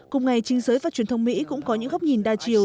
cùng ngày chính giới và truyền thông mỹ cũng có những góc nhìn đa chiều